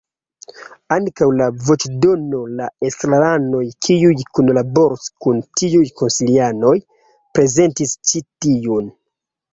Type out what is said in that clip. Antaŭ la voĉdono la estraranoj, kiuj kunlaboros kun tiuj konsilianoj, prezentis ĉi tiujn.